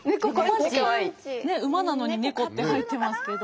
馬なのにネコって入っていますけど。